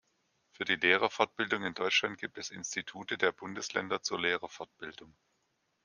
Für die Lehrerfortbildung in Deutschland gibt es Institute der Bundesländer zur Lehrerfortbildung.